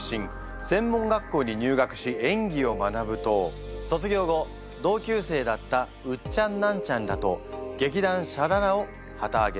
専門学校に入学し演技を学ぶと卒業後同級生だったウッチャンナンチャンらと「劇団ＳＨＡ・ＬＡ・ＬＡ」を旗あげ。